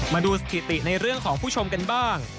มาดูสถิติในเรื่องของผู้ชมกันบ้าง